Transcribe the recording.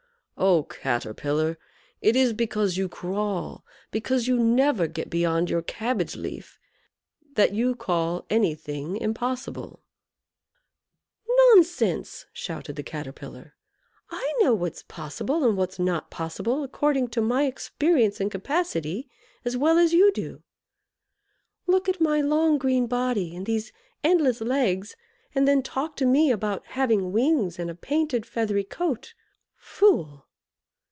Oh, Caterpillar! it is because you crawl, because you never get beyond your cabbage leaf, that you call any thing impossible." "Nonsense!" shouted the Caterpillar, "I know what's possible, and what's not possible, according to my experience and capacity, as well as you do. Look at my long green body and these endless legs, and then talk to me about having wings and a painted feathery coat! Fool!